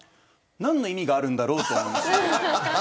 何の意味があるんだろうと思いましたね。